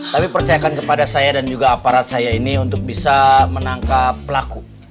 tapi percayakan kepada saya dan juga aparat saya ini untuk bisa menangkap pelaku